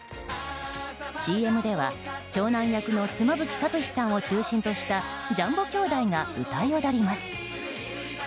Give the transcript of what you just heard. ＣＭでは長男役の妻夫木聡さんを中心としたジャンボきょうだいが歌い踊ります。